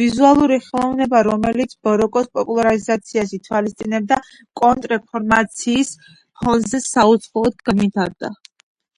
ვიზუალური ხელოვნება რომელიც ბაროკოს პოპულარიზაციას ითვალისწინებდა, კონტრ რეფორმაციის ფონზე საუცხოოდ განვითარდა.